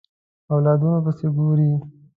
اولادونو پسې ګوري